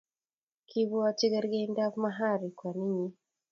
Kiibwotyi kerkeibdap Mahiri, kwaninyi